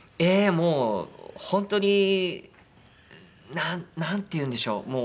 もう本当になんていうんでしょう。